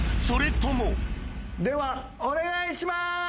それともではお願いします！